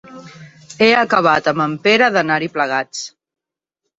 He acabat amb en Pere d'anar-hi plegats.